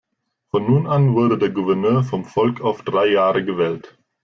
Von nun an wurde der Gouverneur vom Volk auf drei Jahre gewählt.